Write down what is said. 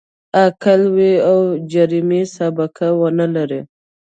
عاقل وي او جرمي سابقه و نه لري.